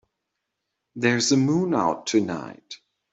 There's a moon out tonight.